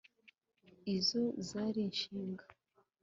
izo zari inshinga